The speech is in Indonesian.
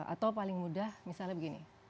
atau paling mudah misalnya begini